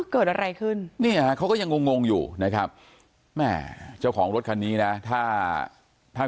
เกิดอะไรขึ้นเนี่ยเขาก็ยังงงงอยู่นะครับแม่เจ้าของรถคันนี้นะถ้าถ้า